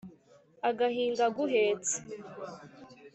Agahinga aguhetse